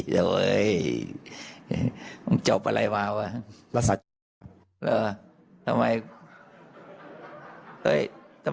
ลูกสรรค์เท่ากับวัทธศาสตร์นี่ซึ่งที่เป็นลูกสรรค์แหละครับ